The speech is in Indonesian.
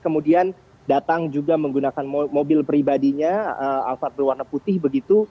kemudian datang juga menggunakan mobil pribadinya alfat berwarna putih begitu